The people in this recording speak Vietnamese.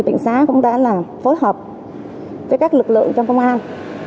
bệnh sát công an tỉnh đã phối hợp với các đơn vị liên quan